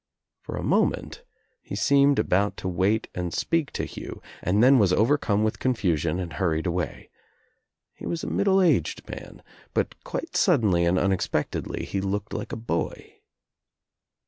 For a moment he seemed about to wait and speak to Hugh, and then was overcome with confusion and hurried away. He was a middle aged man, but quite suddenly and unexpectedly he looked like a boy.